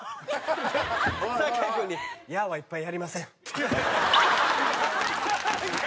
で酒井君に「“ヤー！”はいっぱいやりません」。